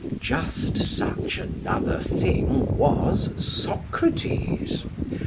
Just such another thing was Socrates.